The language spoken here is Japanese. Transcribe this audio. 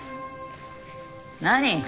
何？